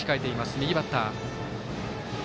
右バッター。